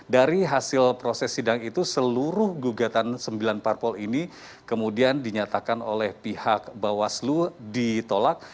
dari hasil proses sidang itu seluruh gugatan sembilan parpol ini kemudian dinyatakan oleh pihak bawaslu ditolak